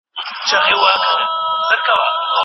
د قبیلو جوړښت هلته مهم ګڼل کيده.